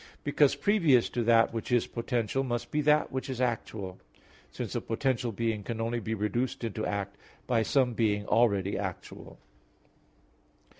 Because, previous to that which is potential, must be that which is actual; since a potential being can only be reduced into act by some being already actual.